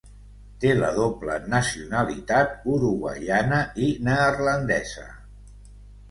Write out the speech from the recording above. Té la doble nacionalitat uruguaiana i neerlandesa.